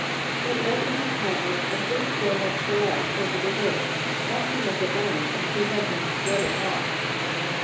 It lightly deposits a thin film of shellac over the work, acting as a varnish and preventing its rubbing off.